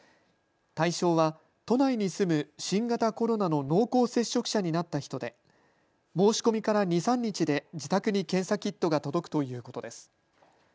対象は都内に住む新型コロナの濃厚接触者になった人で申し込みから２、３日で自宅に検査キットが届くということです。